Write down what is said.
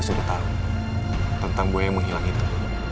masih juga sudah tahu tentang buaya yang menghilang itu